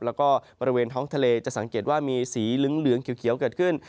แล้วก็บริเวณท้องทะเลจะสังเกตว่ามีสีเหลืองเขียวเกิดขึ้น